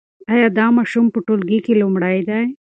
ایا دا ماشوم په ټولګي کې لومړی دی؟